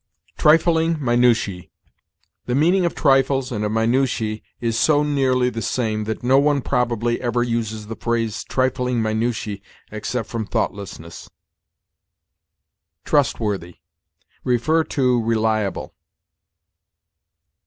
TRIFLING MINUTIÆ. The meaning of trifles and of minutiæ is so nearly the same that no one probably ever uses the phrase trifling minutiæ except from thoughtlessness. TRUSTWORTHY. See RELIABLE.